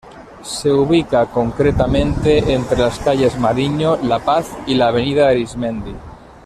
Se ubica concretamente entre las calles Mariño, La Paz y la Avenida Arismendi.